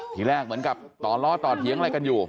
ทีแรกเหมือนกับต่อล้อต่อเถียงอะไรกันอยู่